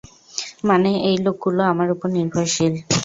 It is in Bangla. মানে, এই লোকগুলো আমার উপর নির্ভরশীল।